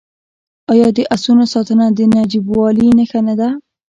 آیا د اسونو ساتنه د نجیبوالي نښه نه ده؟